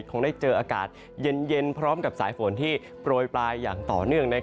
คงได้เจออากาศเย็นพร้อมกับสายฝนที่โปรยปลายอย่างต่อเนื่อง